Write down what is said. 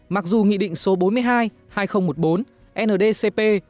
mặc dù nghị định số bốn mươi hai hai nghìn một mươi bốn ndcp